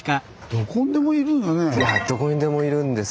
どこにでもいるんですよ。